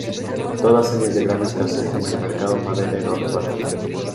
Todas ellas de gran escasez en el mercado maderero actual.